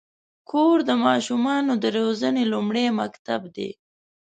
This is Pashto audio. کور د ماشومانو د روزنې لومړنی مکتب دی.